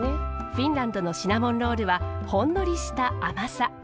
フィンランドのシナモンロールはほんのりした甘さ。